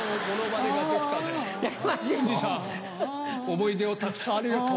思い出をたくさんありがとう。